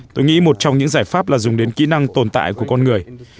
tôi nghĩ một trong những giải pháp là dùng đến kỹ năng tồn tại của con người